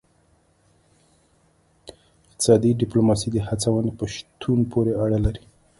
اقتصادي ډیپلوماسي د هڅونې په شتون پورې اړه لري